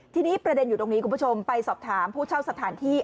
ทีนี้ประเด็นอยู่ตรงนี้คุณผู้ชมไปสอบถามผู้เช่าสถานที่